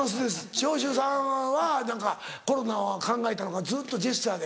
長州さんはコロナを考えたのかずっとジェスチャーで。